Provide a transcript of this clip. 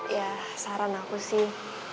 ya saran aku sih